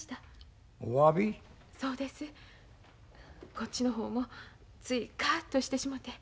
こっちの方もついカッとしてしもて。